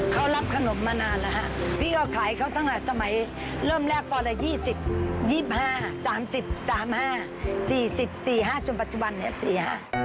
เขารับขนมมานานแล้วฮะพี่ก็ขายเขาตั้งแต่สมัยเริ่มแรกปละ๒๕๓๐๓๕๔๐๔๕จนปัจจุบันนี้เสีย